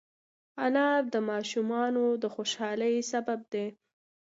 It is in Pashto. انار د ماشومانو د خوشحالۍ سبب دی.